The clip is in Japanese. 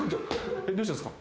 どうしたんすか？